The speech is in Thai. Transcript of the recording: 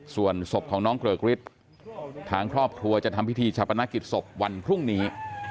ส่วนศพของน้องเกริกฤทธิ์ทางครอบครัวจะทำพิธีชาปนกิจศพวันพรุ่งนี้